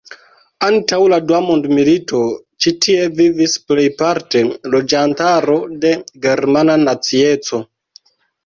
Antaŭ la dua mondmilito ĉi tie vivis plejparte loĝantaro de germana nacieco.